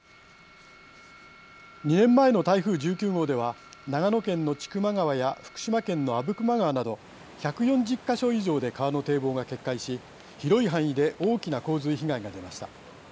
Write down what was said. ２年前の台風１９号では長野県の千曲川や福島県の阿武隈川など１４０か所以上で川の堤防が決壊し広い範囲で大きな洪水被害が出ました。